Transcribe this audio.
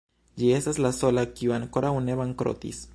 Ĝi estas la sola, kiu ankoraŭ ne bankrotis.